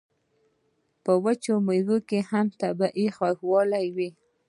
په وچو میوو کې هم طبیعي خوږوالی وي.